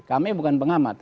kami bukan pengamat